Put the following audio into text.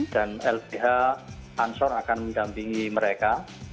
dan lbh ansor akan mendampingi mereka